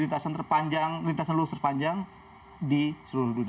lintasan terpanjang lintasan lulus terpanjang di seluruh dunia